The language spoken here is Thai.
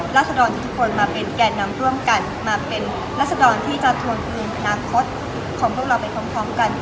รัฐสะดอนทุกทุกคนมาเป็นแก่นน้ำร่วมกันมาเป็นรัฐสะดอนที่จะทวนคืนน้ำคดของพวกเราไปท้องท้องกัน